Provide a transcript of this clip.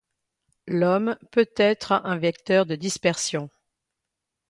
L'homme peut être un vecteur de dispersion.